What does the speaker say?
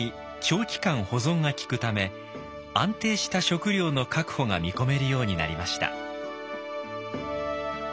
長期間保存がきくため安定した食料の確保が見込めるようになりました。